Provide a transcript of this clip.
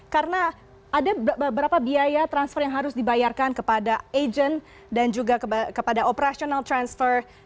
karena ada beberapa biaya transfer yang harus dibayarkan kepada agent dan juga kepada operational transfer